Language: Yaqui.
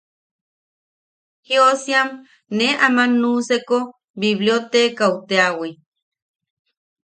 Jiosiam ne aman nuʼuseko bibliotekaʼu teawi.